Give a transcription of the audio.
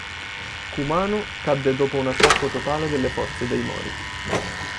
Kumano cadde dopo un attacco totale delle forze dei Mōri.